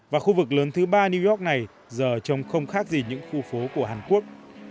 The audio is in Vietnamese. và khu vực lớn thứ ba new york này giờ trông không khác gì những khu phố của hàn quốc